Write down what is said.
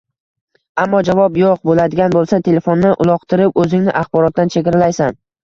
Ammo javob “yoʻq” boʻladigan boʻlsa, telefonni uloqtirib, oʻzingni axborotdan chegaralaysan.